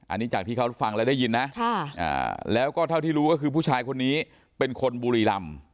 อันนี้จากที่เขาฟังแล้วได้ยินนะแล้วก็เท่าที่รู้ก็คือผู้ชายคนนี้เป็นคนบุรีรำ